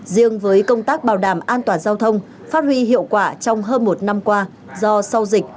riêng với công tác bảo đảm an toàn giao thông phát huy hiệu quả trong hơn một năm qua do sau dịch